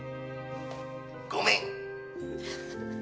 「ごめん！」